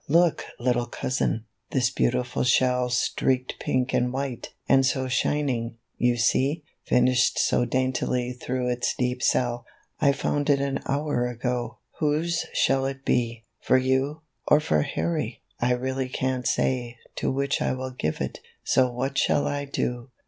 "Look, little cousin," this beautiful shell Streaked pink and white, and so shining, you see, Finished so daintily thro' its deep cell : I found it an hour ago; whose shall it he? "For you, or for Harry? I really can't say To which I will give it ; so what shall I do